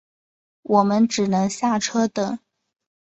我们只能下车等